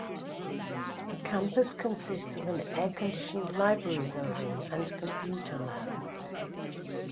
The campus consists of an air-conditioned library building and Computer Lab.